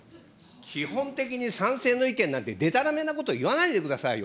基本的に賛成の意見なんてでたらめなこと言わないでくださいよ。